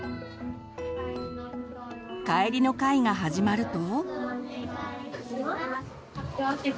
帰りの会が始まると。